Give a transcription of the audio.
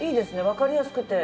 わかりやすくて。